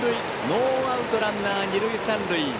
ノーアウトランナー、二塁三塁。